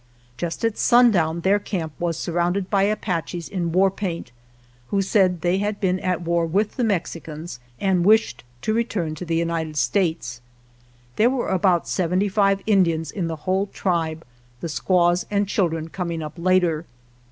Just at sundown their camp was surrounded by Apaches in war paint, who said that they had been at war with the Mexicans and wished to return to the United States. There were about seventy five Indians in the whole tribe, the squaws and children coming up later.